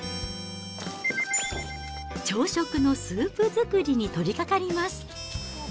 朝食のスープ作りに取り掛かります。